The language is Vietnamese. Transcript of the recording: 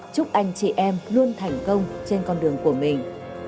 chúc anh chị em luôn thành công trên con đường của mình